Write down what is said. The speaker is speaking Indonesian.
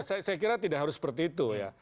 saya kira tidak harus seperti itu ya